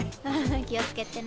気をつけてね。